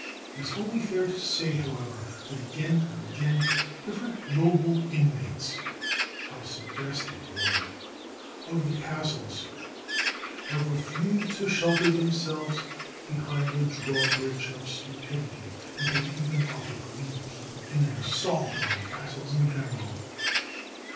It is only fair to say, however, that again and again different noble inmates how suggestive a word of the castles have refused to shelter themselves behind the drawbridge of stupidity and have even offered to lead the people in an assault on castles in general.